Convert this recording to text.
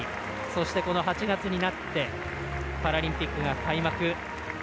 この８月になってパラリンピックが開幕。